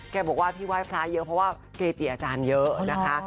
บอกว่าที่ไหว้พระเยอะเพราะว่าเกจิอาจารย์เยอะนะคะ